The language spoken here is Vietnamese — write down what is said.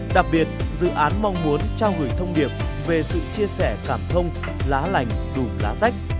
đặc biệt dự án mong muốn trao gửi thông điệp về sự chia sẻ cảm thông lá lành đùm lá rách